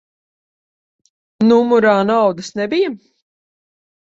Numurā naudas nebija?